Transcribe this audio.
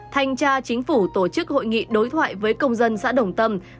thanh tra chính phủ tổ chức hội nghị đối thoại với công dân xã đồng tâm